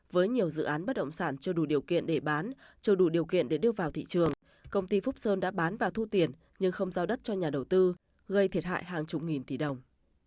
với nhiều dự án bất động sản chưa đủ điều kiện để bán chưa đủ điều kiện để đưa vào thị trường công ty phúc sơn đã bán và thu tiền nhưng không giao đất cho nhà đầu tư gây thiệt hại hàng chục nghìn tỷ đồng